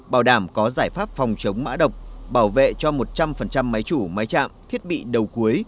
bảo đảm có giải pháp phòng chống mã độc bảo vệ cho một trăm linh máy chủ máy chạm thiết bị đầu cuối